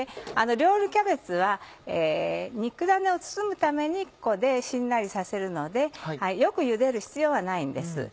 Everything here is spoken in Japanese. ロールキャベツは肉ダネを包むためにここでしんなりさせるのでよくゆでる必要はないんです。